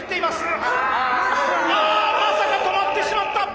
まさか止まってしまった！